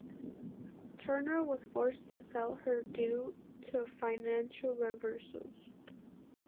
Turner was forced to sell her due to financial reversals.